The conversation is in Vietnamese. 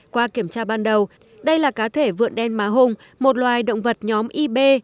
qua kiểm tra ban đầu đây là cá thể vượn đen má hung một loài động vật nhóm yb